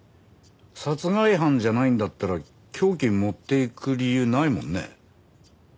殺害犯じゃないんだったら凶器持っていく理由ないもんね。